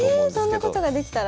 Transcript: えそんなことができたら。